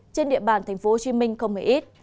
trên địa bàn tp hcm không hề ít